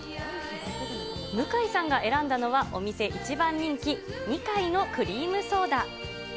向井さんが選んだのは、お店一番人気、ニカイのクリームソーダ。